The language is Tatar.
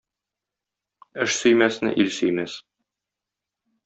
Эш сөймәсне ил сөймәс.